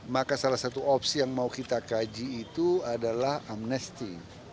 maka salah satu opsi yang mau kita kaji itu adalah amnesti